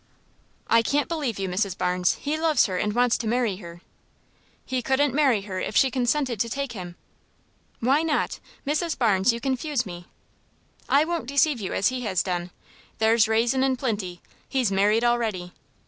"I can't believe you, Mrs. Barnes. He loves her, and wants to marry her." "He couldn't marry her if she consented to take him." "Why not? Mrs. Barnes, you confuse me." "I won't deceive you as he has done. There's rason in plinty. He's married already."